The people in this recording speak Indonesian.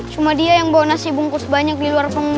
cuma dia yang bawa nasi bungkus banyak di luar